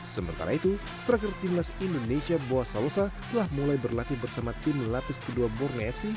sementara itu striker timnas indonesia boa salosa telah mulai berlatih bersama tim lapis kedua borneo fc